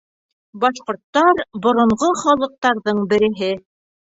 Башҡорттар — боронғо халыҡтарҙың береһе.